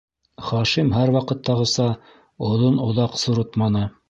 Хашим һәр ваҡыттағыса оҙон-оҙаҡ сурытманы.